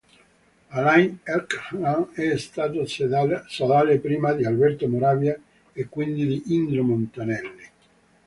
Alain Elkann è stato sodale prima di Alberto Moravia e quindi di Indro Montanelli.